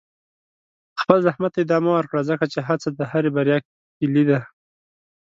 خپل زحمت ته ادامه ورکړه، ځکه چې هڅه د هرې بریا کلي ده.